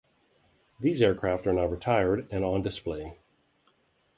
These aircraft are now retired and on display.